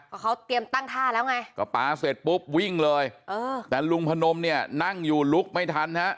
ก็เขาเตรียมตั้งท่าแล้วไงก็ปลาเสร็จปุ๊บวิ่งเลยเออแต่ลุงพนมเนี่ยนั่งอยู่ลุกไม่ทันฮะ